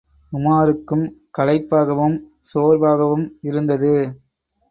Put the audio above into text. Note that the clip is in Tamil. உமாருக்கும் களைப்பாகவும் சோர்வாகவும் இருந்தது.